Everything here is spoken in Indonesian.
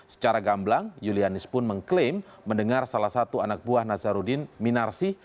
secara gamblang yulianis pun mengklaim mendengar salah satu anak buah nazarudin minarsi